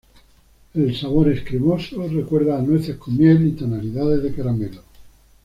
El sabor es cremoso, recuerda a nueces con miel y tonalidades de caramelo.